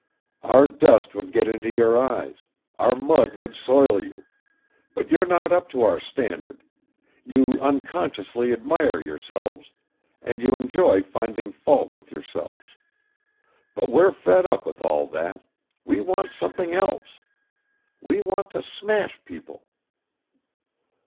Our dust would get into your eyes, our mud would soil you, but you're not up to our standard, you unconsciously admire yourselves and you enjoy finding fault with yourselves; but we're fed up with all that we want something else! We want to smash people!